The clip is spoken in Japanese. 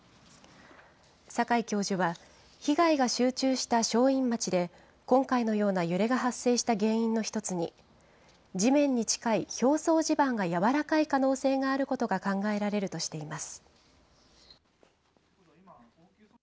境教授は、被害が集中した正院町で、今回のような揺れが発生した原因の一つに、地面に近い表層地盤が軟らかい可能性があることが考えられるとしています。